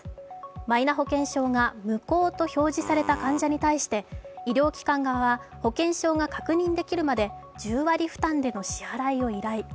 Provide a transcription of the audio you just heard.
マイナ保険証が無効と表示された患者に対して医療機関側は保険証が確認できるまで１０割負担での支払いを依頼。